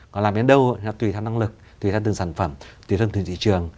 còn làm đến đâu thì tùy theo năng lực tùy theo từng sản phẩm tùy theo từng thị trường